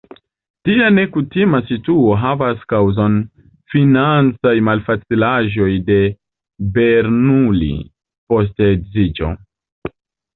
Tia nekutima situo havas kaŭzon: financaj malfacilaĵoj de Bernoulli post edziĝo.